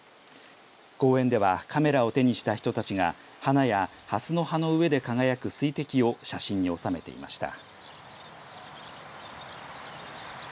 公園ではカメラを手にした人たちが花やハスの葉の上で輝く水滴を写真に収めていました。